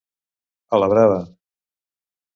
A la brava.